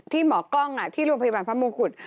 ที่หมอกล้องที่โรงพยาบาลพมงคุช